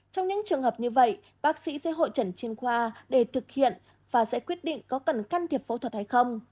trong những trường hợp như vậy bác sĩ sẽ hội trần chuyên khoa để thực hiện và sẽ quyết định có cần can thiệp phẫu thuật hay không